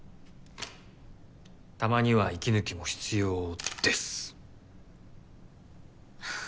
たまには息抜きも必要です